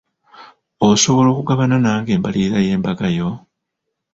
Osobola okugabana nange embalirira y'embaga yo?